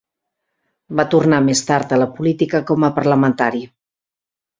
Va tornar més tard a la política com a parlamentari.